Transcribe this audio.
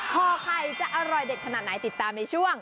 ห่อไข่จะอร่อยเด็ดขนาดไหนติดตามในช่วง